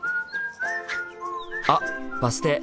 あバス停。